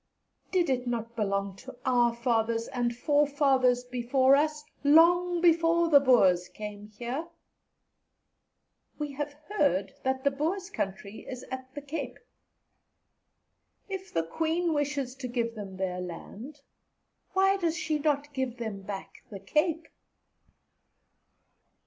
Did it not belong to our fathers and forefathers before us, long before the Boers came here? We have heard that the Boers' country is at the Cape. If the Queen wishes to give them their land, why does she not give them back the Cape?"